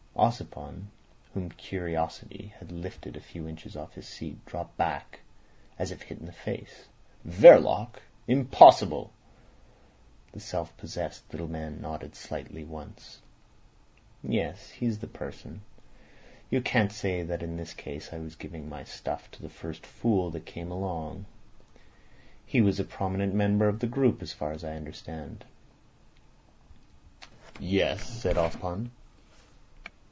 Ossipon, whom curiosity had lifted a few inches off his seat, dropped back, as if hit in the face. "Verloc! Impossible." The self possessed little man nodded slightly once. "Yes. He's the person. You can't say that in this case I was giving my stuff to the first fool that came along. He was a prominent member of the group as far as I understand." "Yes," said Ossipon.